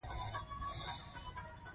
زه هره ورځ اخبار نه ګورم.